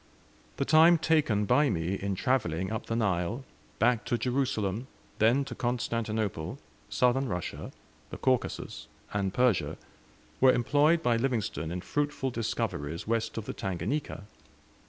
The time taken by me in travelling up the Nile, back to Jerusalem, then to Constantinople, Southern Russia, the Caucasus, and Persia, was employed by Livingstone in fruitful discoveries west of the Tanganika.